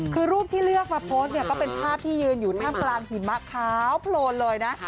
คือรูปที่เลือกมาโพสต์เนี่ยก็เป็นภาพที่ยืนอยู่ท่ามกลางหิมะขาวโพลนเลยนะ